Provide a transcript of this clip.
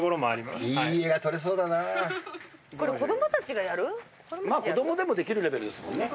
まぁ子供でもできるレベルですもんね。